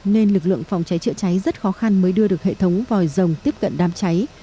nên lực lượng phòng cháy chữa cháy rất khó khăn mới đưa được hệ thống vòi rồng tiếp cận đám cháy